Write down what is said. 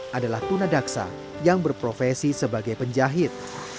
adalah tunadaksa yang berprofesi sebagai penjahit